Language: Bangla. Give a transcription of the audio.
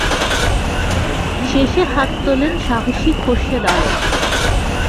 শেষে হাত তোলেন সাহসী খোরশেদ আলম।